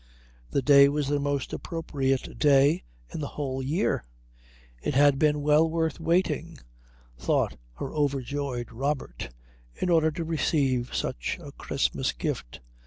The day was the most appropriate day in the whole year. It had been well worth waiting, thought her overjoyed Robert, in order to receive such a Christmas gift.